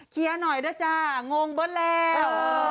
เคลียร์หน่อยนะจ๊ะงงเบิ้ลแล้ว